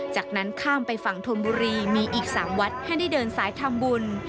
จากนั้นข้ามไปฝั่งธนบุรีมีอีก๓วัดให้ได้เดินสายทำบุญ